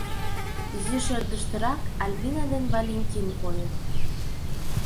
Изиш ӧрдыжтырак Альбина ден Валентин койыт.